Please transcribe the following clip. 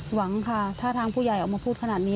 หวังค่ะถ้าทางผู้ใหญ่ออกมาพูดขนาดนี้